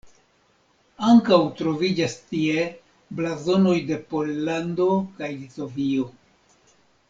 Ankaŭ troviĝas tie blazonoj de Pollando kaj Litovio.